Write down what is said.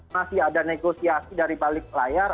masih ada negosiasi dari balik layar